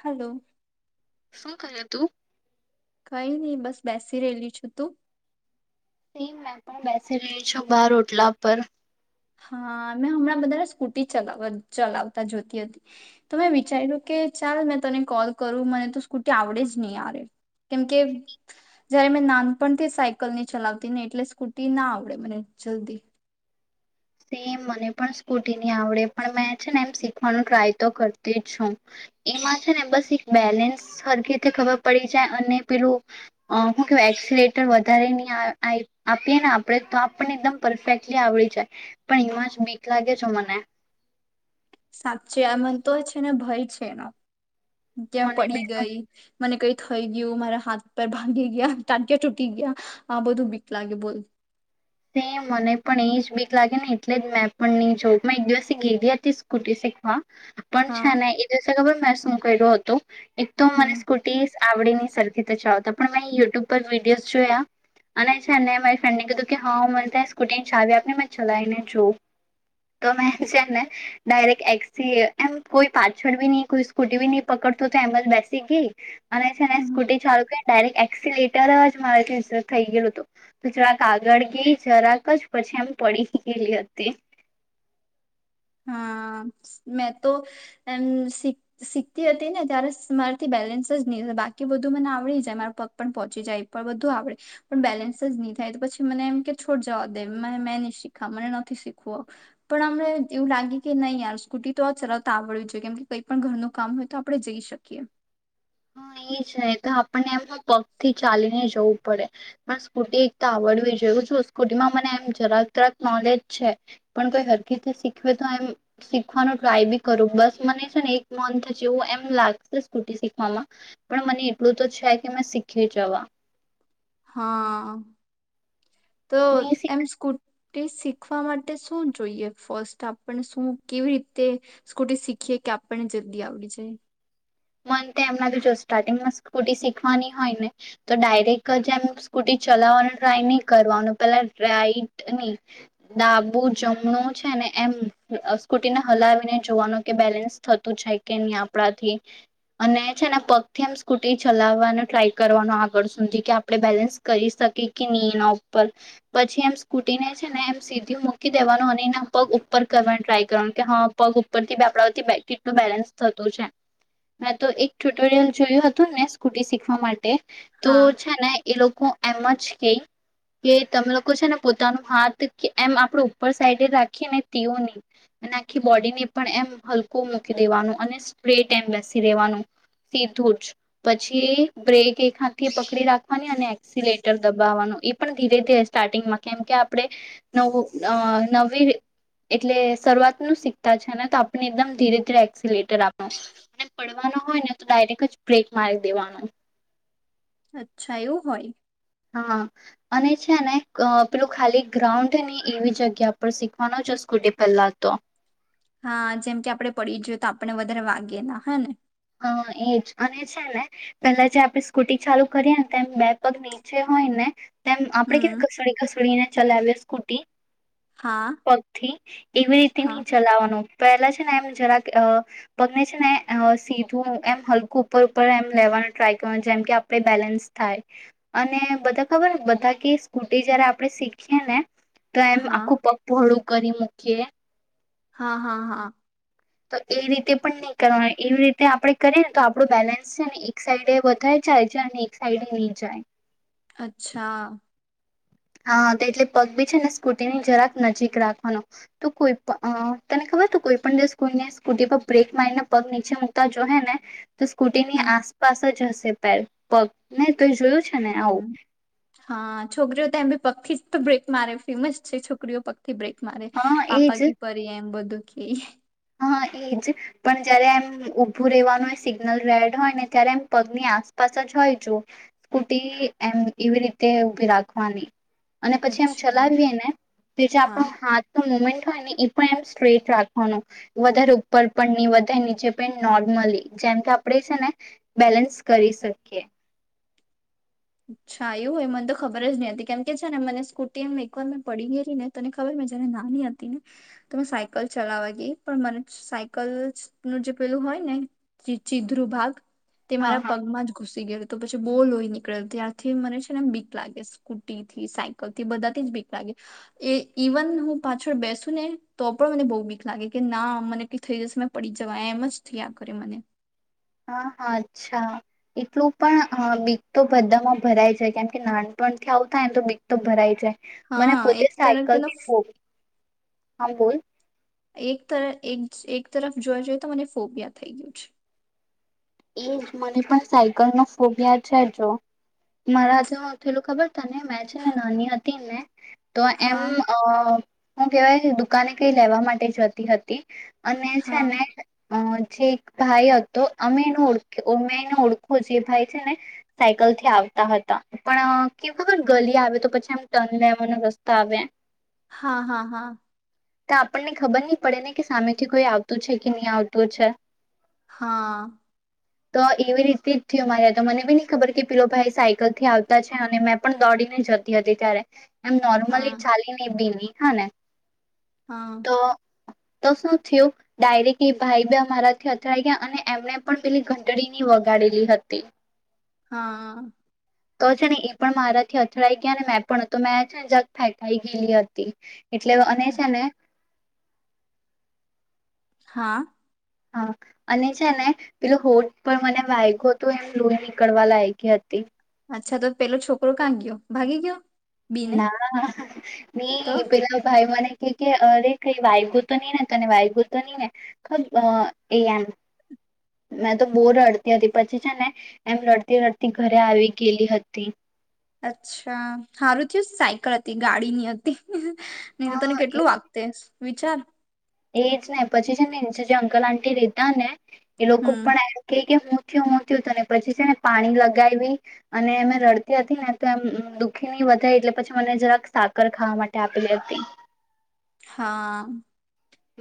Hello શું કરે તુ કઈ નહી બસ બેસી રહેલી છું તું સેમ મેં પણ બેસી રહી છું બાર રોટલા પર હા મેં હમણાં બધા સ્કૂટી ચલા ચલાવતા જોતી હતી તો મેં વિચાર્યું કે ચાલ મેં તને કોલ કરું મને તો સ્કૂટી આવડે જ નહી યાર કેમકે જયારે મેં નાનપણથી સાયકલની ચલાવતી નહી એટલે સ્કૂટી ના આવડે મને જલ્દી સેમ મને પણ સ્કૂટી ની આવડે પણ મેં છે ને એમ શીખવાનું ટ્રાય તો કરતી જ છું એમાં છે ને બસ એક બેલેન્સ હરખી રીતે ખબર પડી જાય અને પેલું હું કે વેક્સિલેટર વધારે નહી આપીએ ને આપણે તો આપણને એકદમ પરફેક્ટલી આવડી જાય પણ એમાં જ બીક લાગે છે જો મને સાચચે આમન તો છે ને ભય છે એનો ત્યાં મને પડી બી ગઈ મને કઈ થઈ ગયું મારા હાથ પર ભાાગી ગયા ટાંટ્યા તૂટી ગયા આ બધું બીક લાગે બોલ સેમ મને પણ એજ બીક લાગે ને એટલે જ મેં પણની જોઉં મેં એક દિવસ ગેલી હતી સ્કૂટી શીખવા પણ હા છે ને એ દિવસ ખબર મેં સુ કર્યો હતો એક તો હમ મને સ્કૂટી આવડી ની સરખી તો ચાવતા પણ મેં યુટ્યુબ પર વિડીયોઝ જોયા અને છે ને મારી ફ્રેન્ડને કીધું કે હા હું મને ત સ્કૂટી ને ચાવી આપને મેં ચલાવીને જોં તો મેં છે ને ડાયરેક્ટ એક્સી એમ કોઈ પાછળ બી નહી કોઈ સ્કૂટી નહી પકડતું તો એમ બેસી ગઈ અને છે ને હમ સ્કૂટી ચાલુ ડાયરેક એક્સિલેટર જ મારેથી સરખાઈ ગેલું હતુ જરાક આગળ ગળગી જરાક જ પછી એમ પડી ગયેલી હતી હા મેં તો એમ શી શીખતી હતી ને ત્યારે મારાથી બેલેન્સ જ નહી બાકી બધું મને આવડી જાય મારા પગ પણ પહોંચી જાય પણ બધું આવડે પણ બેલેન્સ જ નહી થાય તો પછી મને એમ કે છોડ જવા દે મેં નહી શીખા મને નથી શીખવું પણ હમેં એવું લાગે કે નહીંયાર સ્કૂટી તો આ ચલાવતા આવડવી જોઈએ કેમ કે કઈ પણ ઘરનું કામ હોય તો આપડણે જઈ શકીએ હા એ છે તો આપણને એમ પગથી ચાલીને જવું પડે પણ સ્કૂટી એક તો આવડવી જોઈએ સ્કૂટીમાં મને એમ જરાક તરાક નોલેજ છે પણ કોઈ હરકી શીખવે તો એમ શીખવાનું ટ્રાય બી કરું બસ મને છે ને એક મંથ જેવું એમ લાગશે સ્કૂટી શીખવામાં પણ મને એટલું તો છે કે મેં શીખી જવા હા તો નહી શીખ એમ સ્કૂટ તે શીખવા માટે શું જોઈએ ફર્સ્ટ આપને શું કેવી રીતે સ્કૂટી શીખીએ કે આપણને જલ્દી આવડી જાય મન એમનાથી જો સ્ટાર્ટિંગમાં સ્કૂટી શીખવાની હોય ને તો ડાયરેક્ટ જે એમ સ્કૂટી ચલાવવાનું ટ્રાય નહી કરવાનું પેલા રાઈટ નહી ડાબુ જમણું છે ને એમ સ્કૂટીને હલાવીને જોવાનું કે બેલેન્સ થતું જાય કે નહી, આપણાથી અને છે ને પગથી એમ સ્કૂટી ચલાવવાનું ટ્રાય કરવાનું આગળ સુધી કે આપણે બેલેન્સ કરી શકીએ કે નહી, એના ઉપર પછી એમ સ્કૂટીને છે ને એમ સીધું મૂકી દેવાનું અને એના પગ ઉપર કરવાનું ટ્રાય કરવાનું કે હા પગ ઉપરથી આપણાથી કેટલું બેલેન્સ થતું છે. મેં તો એક ટ્યુટોરિયલ જોયું હતું ને સ્કૂટી શીખવા માટે તો હા છે ને એ લોકો એમ જ કઈ કે તમે લોકો છેો ને પોતાનું હાથ એમ આપડ ઉપર સાઈડ રાખીને તેીઓની અને આખી બોડીને પણ એમ હલકું મૂકી દેવાનું અને સ્ટ્રેટ એમ બેસી જ પછી બ્રેક એ ખાથી પકડી રાખવાની અને એક્સિલેટર દબાવવાનું એ પણ ધીરે ધીરે સ્ટાર્ટિંગમાં કેમ કે આપણે નવું નવી એટલે શરૂઆત ન સીતા છે, ને તો આપણે એકદમ ધીરે ધીરે એક્સિલેટર આપ પડવાનો હોય ને તો ડાયરેક્ટ જ બ્રેક માર્ક દેવાનો અચ્છા એવું હોય? હા અને છે ને પેલું ખાલી ગ્રાઉન્ડ ની એવી જગ્યા પર શીખવાનો છે, સ્કૂટી પહેલા તો હા જેમ કે આપડે પડી ગયએ તો આપડણે વધારે વાગેએ ના હે ને હા એજ અને છે ને પેલા જે આપણે સ્કૂટી ચાલુ કરીએ ને તેમ બે પગ નીચે હોય ને તેમ આપડ કેવી હમ ઘસોડી ઘસોડી ને ચલાવે સ્કૂટી હા પથી એવી રીતે હા નહી ચલાવાનો પહેલા છે ને એમ જરાક પગને છે, ને સ ું એમ હલકું ઉપર ઉપર એમ લેવાનું ટ્રાય કરવાનું જેમ કે આપડણે બેલેન્સ થાય અને બધા ખબર બધા કે સ્કૂટી જયારે આપણે શીખીએ ને તો એમ હા આખું પગપોળું કરી મૂકીએ હા હા હા તો એ રીતે પણ નહી કરવાનું એવી રીતે આપડણે કરીએ ને તો આપણું બેલેન્સ છે, ને એક સાઈડે વધારે જાય છે અને એક સાઈડે નહી, જાય અચ્છા હ તો એટલે પગ બી છે, ને સ્કૂટીની જરાક નજીક રાખવાનો તો કોઈ પણ તને ખબર તો કોઈ પણ દ સ્કૂટી પર બ્રેક મારીને પગ નીચે મકતા જોઈએ ને તો સ્કૂટી ની હમ આસપાસ જ હશે [unintelligible] છે ને હમ્મ આવું હા છોકરીઓ તોી પખી જ તો બ્રેક મારે ફેમસ છે, છોકરીઓ પ થી બ્રેક મારે હા પાપા એજ ક પરી એમ બધું દુઃખી હા એજ પણ જયારે એમ ઉઊભું રવાનું એ સિગ્નલ રેડ હોય ને ત્યારે એમ પગની આસપાસ જ હોય, જોુ સ્કૂટી એમ એવી રીતે ઉભી રાખવાની અને પછી એમ અચ્છા ચલાવીએ ને પ જે હા આપણું હાથ ન મુમેન્ટ ને એઇ એમ સ્ટ્રેટ રાખ વધારે ઉપર પણ નહી વધારે નીચે પણ નોર્મલી જેમ કે આપણેે છે, ને બેલેન્સ કરી શકીએ અચ્છા એું હોય મને તો ખબર જ નહ હતી કેમ કે છે, ને મને સ્કૂટી એમ એક વાર મેં પડી ગયેલી ને તને ખબર જારે નાની હતી ને તો મે સાયકલ ચલાવા ગઈ પણ મને સાયકલ નું જે પેલું હોય ને ચીધ્રુ ભાગ તે હા મારા હા પગમાં જ ઘુસી ગયો તો પછી બોલ હોય નીકળે ત્યારથી મને છે, ને બીક લાગે સ્કૂટી થી સાયકલ થી બધાથી જ બીક લાગે એ ઇવન હું પાછળ બેસુ ને તો પણ મને બહુ બીક લાગે કે ના મને થઈ જશે પડી જવા એમ જ થ આ કરે મને હા હા અચ્છા એટલું પણ બીક તો બધામાં ભરાય જાય કેમ કે નાનપણથી આવતાાય ને તો બીક તો ભરાય જાય મને હા પોતે એક તરફ તેનો સાયકલથી જોવું હ બોલ એક તર એક તરફ જોવા જઈએ તો મને ફોબિયા થઈ ગયું છે, એ જ મને પણ સાયકલ ન ફોબિયા છે જો મારા તુ પેલું ખબર તને મેં છે ને નાની હતી ને તો એમ હા અ હું કેવાય દુકાને કઈ લેવા માટે જતી હતી. અને હા છેને અ છેક ભાઈ હતો અને ઓળખે ઓ મેને ઓળખો જે ભાઈ છે ને સાયકલ થી આવતા હતા પણ કેવું ખબર ગલી આવે તો પછી આમ ટન લેવાનો રસ્તા આવે. હા હા હા. તો આપણને ખબર ની પડે ને કે સામેથી કોઈ આવતું છે કે ની આવતું છે. હા. તો એવી રીતે જ થયો મારી તો મને બી ની ખબર કે પેલો ભાઈ સાયકલ થી આવતા છે અને મેં પણ દોડીને જતી હતી ત્યારે. એમ નોર્મલી હા હા ચાલીને બીલી હા ને. હા. તો તો શું થયું ડાયરેક્ટ એ ભાઈ બી અમારાથી અથડાઈ ગયા અને એમને પણ પેલી ઘંટડી ની વગાડેલી હતી હા. તો છે ને એ પણ મારાથી અથડાઈ ગયા ને મેં પણ તો મેં છે ને જરાક ફેંકાઈ ગયેલી હતી. એટલે અને છે ને હા. હા અને છે ને પેલો હોટ પણ મને વાયગો તો એ ફ્લુ નીકળવા લાયગી હતી. અચ્છા તો પેલો છોકરો કા ગયો ભાગી ગયો. બીને ના તો ની પેલા ભાઈ મને કેય કે અરે કાંઈ વાઈગુ તો નઈ ને તને વાઈગુ તો ની ને ખબ એ એમ મેં તો બો રડતી હતી પછી છે ને એમ રડતી રડતી ઘરે આવી ગયેલી હતી. અચ્છા હારું થયું સાયકલ હતી ગાડી ની હતી. નહી તો તને હા કેટલું વાગતે. વિચાર. એજ ને પછી છે અંકલ આંટી રેતા ને એ લોકો હમ પણ એ કેય કે હું થયું હું થયું તને પછી છે ને પાણી લગાયવી અને એમે રડતી હતી ને તો એમ દુઃખી નહીં વધાય એટલે પછી મને જરાક સાકર ખાવા માટે આપેલી હતી. હા.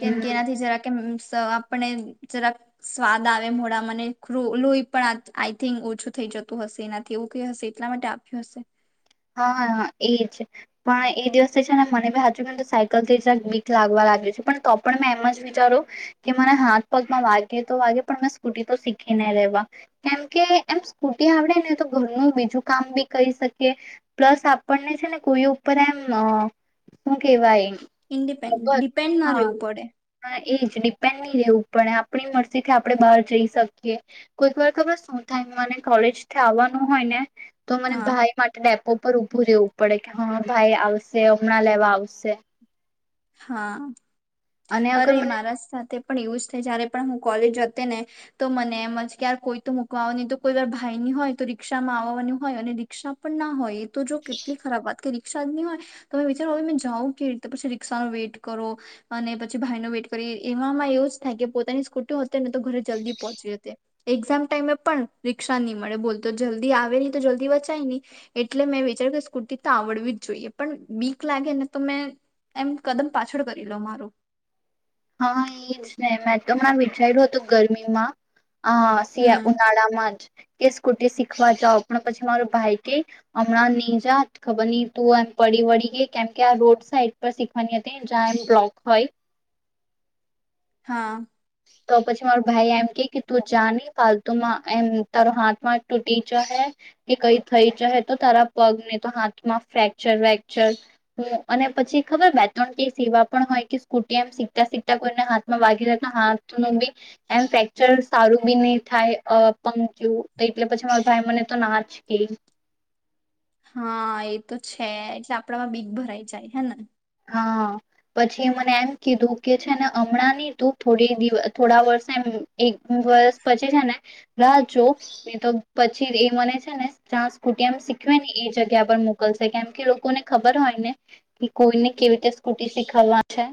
કેમ કે હમ એનાથી જરા કેમ ત આપને જરાક સ્વાદ આવે મોડા મને લોહી પણ આઈ થિંક ઓછું થઈ જતું હશે એનાથી એવું કઈ હશે એટલા માટે આપ્યું હશે. હા એજ પણ એ દિવસથી છે ને મને બી હાચું કે સાયકલ થી છે બીક લાગવા લાગી છે પણ તો પણ મેં એમ જ વિચારું કે મરા હાથ પગમાં વાગે તો વાગે પણ મેં સ્કૂટી તો શીખી ને રેવા કેમકે એમ સ્કૂટી આવડે ને તો ઘરનું બીજું કામ બી કરી શકીએ પ્લસ આપણને છે ને કોઈ ઉપર એમ હું કેવાય ઇન્ડિપેન્ડ ખબર ડિપેન્ડ ના હા રેવું પડે. હા એજ ડિપેન્ડ ની રેવું પડે આપણી મરજી થી આપડે બહાર જઈ શકીએ કોઈક વાર ખબર શું થાય મને કોલેજ થી આવવાનું હોય ને તો મને હા ભાઈ માટે ડે ઉપર ઊભું રેવું પડે કે હા ભાઈ આવશે હમણાં લેવા આવશે. હા. અને અગર અરે મને મારા સાથે પણ એવુંજ થાય જયારે પણ હું કોલેજ ને તો મને એમ જ કાર કોઈ તો મૂકવાવા ન તો કોઈ વાર ભાઈ ની હોય તો [unintelligible] આવવાની હોય અને [unintelligible] પણ ના હોય. તો જો કેટલી ખરાબ વાત કરી. [unintelligible] હોય તમે વિચારો મે જાવં કે રીતે પછી રિક્ષા ન વેટ કરો અને પછી ભાઈ [unintelligible] વેટ કરો એમાં એવું જ થાય કે પોતાની સ્કૂટી હો ને તો ઘરે જલ્દી પહોંચી જ એક્ઝામ ટાઈમે પણ [unintelligible] નહી મળે બોલ તો જલ્દી આવે નહી તો જલ્દી વચાય નહી એટલે મેં વિચાર્યું કે સ્કૂટી તો આવડવી જ જોઈએ પણ બીક લાગે ને તો મેં એમ કદમ પાછળ કરી લો મારું. હા એજ ને મેં તો હમણાં વિચાર્યું હતું ગરમીમાં. હા સિયા હમ ઉનાળા માં જ. કે સ્કૂટી શીખવા જાાવ પણ પછી મારો ભાઈ કે હમણાં નહી જા ખબર [unintelligible] તું એમ પડી વળી ગઈ કેમ કે આ રોડ સાઈડ પર શીખવાની હતી જ્યાં એમ બ્લોક હોય. હા. તો પછી મારો ભાઈ એમ કે કે તું જા નહી પાલતુમાં એમ તારો હાથમાં તૂટી જહે કે કઈ થઈ જહે તો તારા પગને તો હાથમાં ફ્રેક્ચર વેક્ચર હું અને પછી ખબર [unintelligible] સેવા પણ હોય કે સ્કૂટી એમ સીખતા સીખતા કોઈને હાથમાં વાગી હાથ નું બી એમ ફેક્ચર સારું બી નહી થાય [unintelligible] એટલે પછી મારા ભાઈ મને તો ના જ કે. હા એ તો છે, એટલે આપડામાં બીક ભરાઈ જાય હે ને. હા પછી મને એમ કીધું કે છે, ને હમણાં નહ તું થોડી દિવસ થોડા વર્ષે એમ બસ પછી છે. રાહ જો તો પછી એ મને છે, ને જ્યાં સ્કૂટમ શીખવે ને એ જગ્યા પર મોકલશે કેમ કે લોકોને ખબર હોય ને કે કોઈને કેવી રીતે સ્કૂટી શીખવવા છે.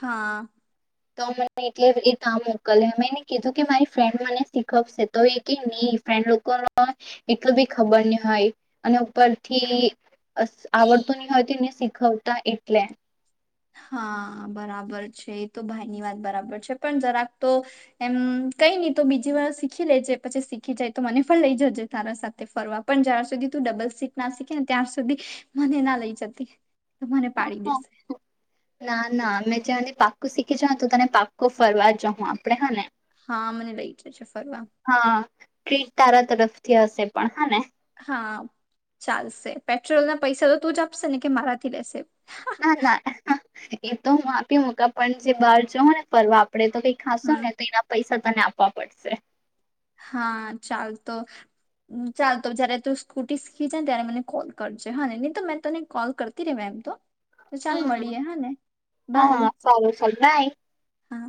હા. તો મને એટલે એ તામ મોકલે મેં એને કીધું કે મારી ફ્રેન્ડ મને શીખવશે તો એ કે નહી ફ્રેન્ડ લોકો ન એટલું બી ખબર નહી હોય અને ઉપરથી આવડતું નહી હોય તોને- [unintelligible] એટલે. હા બરાબર છે એ તો ભાઈ ની વાત બરાબર છે, પણ જરાક તો એમ કઈ નહી તો બીજી વાર શીખી લેજે પછી શીખી જાય તો મને પણ લઈ જજે તારા સાથે. તો મને પાડી દેશે. ના ના અમે તને પાક્કોું શીખી જાઉ તો તને પાક્કો ફરવા જઉં આપડે હા ને. હા મને લઈ જ [unintelligible] ફરવા. હા ટ્રીટ તારા તરફથી હશે પણ હા ને. હા ચાલશે પેટ્રોલ ના પૈસા તો તું જ આપશે ને કે મારાથી લેશે. ના ના એ તો આપી [unintelligible] પણ જે બહાર જવ ને ફરવા આપ આપડે તો કઈ ખાસશે હમ ને તો એના પૈસા તને આપવા પડશે. હા ચાલ તો ચાલ તો જયારે તું સ્કૂટી શીખી જ ને ત્યારે મને કોલ કરજે હા નહી તો મેં તને કોલ કરતી રેવા એમ તો તો ચાલ હમ મળીએે હા ને બાય હા સારું ચાલ બાય હા.